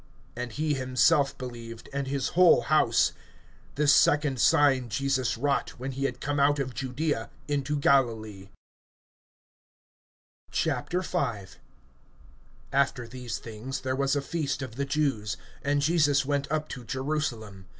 And he himself believed, and his whole house. (54)This second sign Jesus wrought, when he had come out of Judaea into Galilee. V. AFTER these things there was a feast of the Jews; and Jesus went up to Jerusalem.